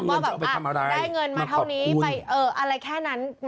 อ่ะได้เงินมาเท่านี้ไปเอออะไรแค่นั้น